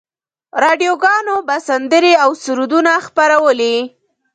راډیوګانو به سندرې او سرودونه خپرولې.